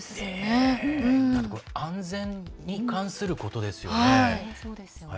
安全に関することですよね。